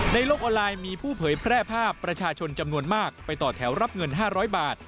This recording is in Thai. โลกออนไลน์มีผู้เผยแพร่ภาพประชาชนจำนวนมากไปต่อแถวรับเงิน๕๐๐บาท